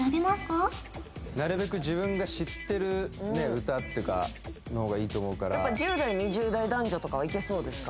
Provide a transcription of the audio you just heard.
なるべく自分が知ってるねえ歌っていうかの方がいいと思うからやっぱ１０代２０代男女とかはいけそうですか？